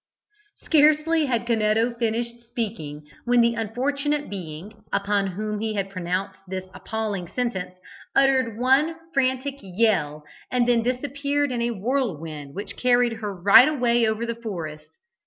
Scarcely had Canetto finished speaking, when the unfortunate being, upon whom he had pronounced this appalling sentence, uttered one frantic yell, and then disappeared in a whirlwind, which carried her right away over the forest.